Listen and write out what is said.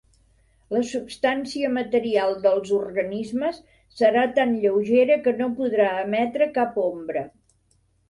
La substància material dels organismes serà tan lleugera que no podrà emetre cap ombra.